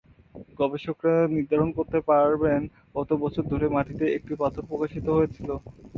গবেষকরা নির্ধারণ করতে পারবেন কত বছর ধরে মাটিতে একটি পাথর প্রকাশিত হয়েছিল।